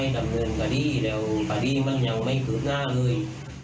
เดี๋ยวก็ดีมันยังไม่คืบหน้าเลย